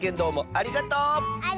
ありがとう！